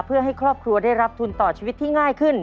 เพื่อให้ครอบครัวได้รับทุนต่อชีวิตที่ง่ายขึ้น